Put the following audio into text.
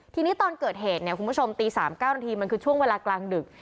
ทีนี้ตอนเกิดเหตุเนี่ยคุณผู้ชมตี๓๙นาทีมันคือช่วงเวลากลางดึก